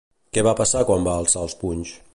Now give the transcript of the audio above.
Què va passar quan va alçar els punys?